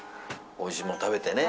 おいしいもの食べてね